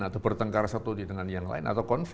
atau bertengkar satu dengan yang lain